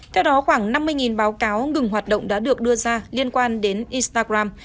theo đó khoảng năm mươi báo cáo ngừng hoạt động đã được đưa ra liên quan đến instagram